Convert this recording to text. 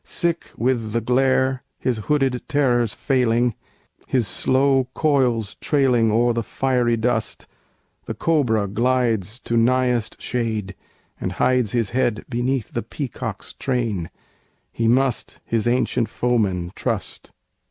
Sick with the glare, his hooded terrors failing, His slow coils trailing o'er the fiery dust, The cobra glides to nighest shade, and hides His head beneath the peacock's train: he must His ancient foeman trust!